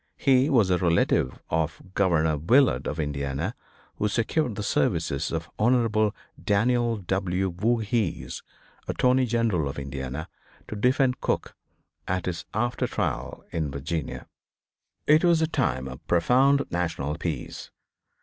He was a relative of Governor Willard of Indiana who secured the services of Hon. Daniel W. Voorhees, Attorney General of Indiana, to defend Cook at his after trial in Virginia. It was a time of profound national peace.